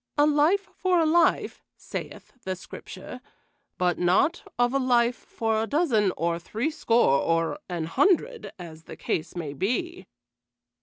'A life for a life,' saith the Scripture, but naught of a life for a dozen or threescore, or an hundred, as the case may be."